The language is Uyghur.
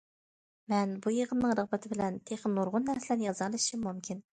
مەن بۇ يىغىننىڭ رىغبىتى بىلەن تېخى نۇرغۇن نەرسىلەرنى يازالىشىم مۇمكىن.